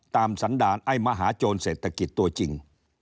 สันดาลไอ้มหาโจรเศรษฐกิจตัวจริง